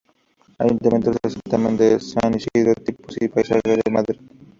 Ayuntamiento en el certamen de San Isidro "Tipos y paisajes de Madrid".